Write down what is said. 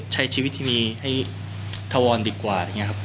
ใช้ชีวิตที่นี่ให้ทะวอนดีกว่า